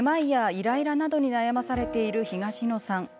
めまいやイライラなどに悩まされている東野さん。